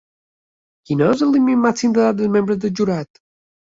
Quin és el límit màxim d'edat dels membres del jurat?